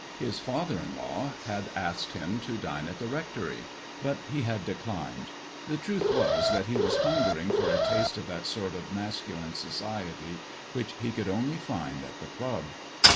His father in law had asked him to dine at the rectory, but he had declined. The truth was, that he was hungering for a taste of that sort of masculine society which he could only find at the club.